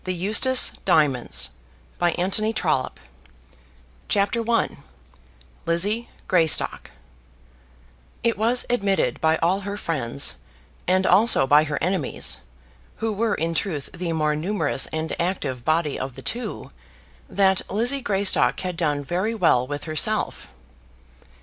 What Was Said About It All at Matching VOLUME I CHAPTER I Lizzie Greystock It was admitted by all her friends, and also by her enemies, who were in truth the more numerous and active body of the two, that Lizzie Greystock had done very well with herself.